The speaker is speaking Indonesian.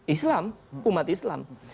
islam umat islam